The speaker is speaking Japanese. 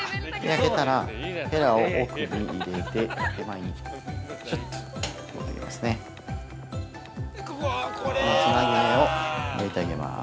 焼けたら、ヘラを奥に入れて手前にひゅっとこのつなぎ目を抜いてあげます。